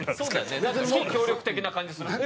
非協力的な感じするもん。